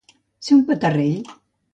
Ser un petarrell.